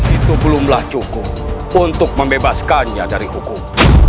itu belumlah cukup untuk membebaskannya dari hukum